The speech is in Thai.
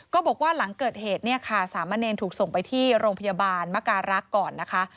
ก็บอกว่าหลังเกิดเหตุเนี่ยค่ะสามเณรถูกส่งไปที่โรงพยาบาลมการรักษ์ก่อนนะคะ